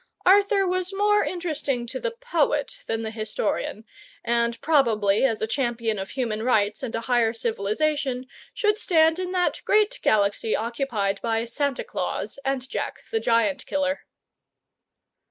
Arthur was more interesting to the poet than the historian, and probably as a champion of human rights and a higher civilization should stand in that great galaxy occupied by Santa Claus and Jack the Giant Killer.